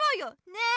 ねえ。